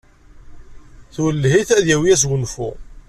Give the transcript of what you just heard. Twelleh-it ad yawi asgunfu.